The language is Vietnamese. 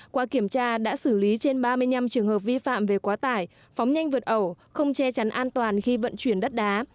qua kiểm tra đã xử lý trên ba mươi năm trường hợp vi phạm về quá tải phóng nhanh vượt ẩu không che chắn an toàn khi vận chuyển đất đá